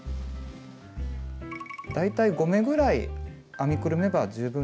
大体５目ぐらい編みくるめば十分です。